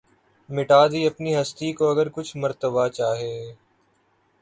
مٹا دی اپنی ھستی کو اگر کچھ مرتبہ چاھے